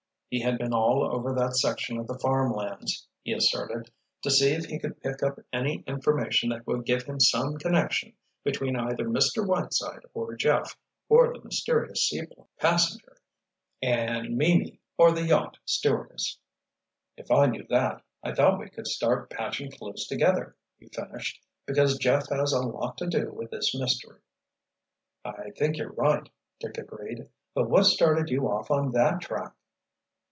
He had been all over that section of the farm lands, he asserted, to see if he could pick up any information that would give him some connection between either Mr. Whiteside or Jeff, or the mysterious seaplane passenger—and Mimi or the yacht stewardess. "If I knew that, I thought we could start patching clues together," he finished. "Because Jeff has a lot to do with this mystery." "I think you're right," Dick agreed. "But what started you off on that track?"